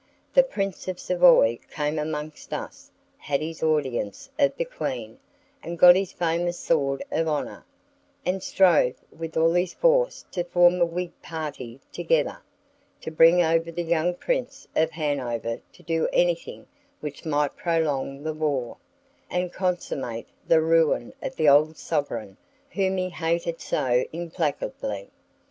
The Prince of Savoy came amongst us, had his audience of the Queen, and got his famous Sword of Honor, and strove with all his force to form a Whig party together, to bring over the young Prince of Hanover to do anything which might prolong the war, and consummate the ruin of the old sovereign whom he hated so implacably.